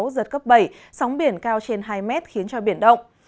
giật cấp bảy sóng biển cao trên hai mét khiến cho biển động